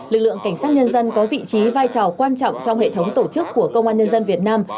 lực lượng cảnh sát nhân dân có vị trí vai trò quan trọng trong hệ thống tổ chức của công an nhân dân việt nam